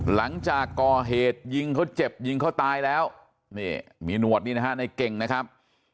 หลังจากก่อเหตุยิงเขาเจ็บยิงเขาตายแล้วนี่มีหนวดนี่นะฮะในเก่งนะครับ